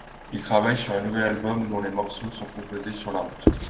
Il travaille sur un nouvel album, dont les morceaux sont composés sur la route.